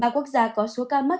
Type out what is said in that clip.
ba quốc gia có số ca mắc